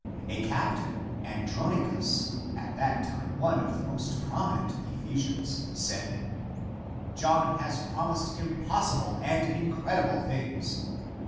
A captain, Andronicus, at that time one of the most prominent Ephesians, said, " John has promised impossible and incredible things.